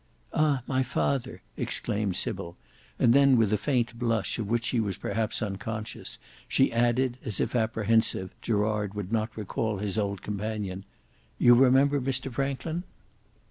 "Ah! my father," exclaimed Sybil, and then with a faint blush of which she was perhaps unconscious, she added, as if apprehensive Gerard would not recall his old companion, "you remember Mr Franklin?"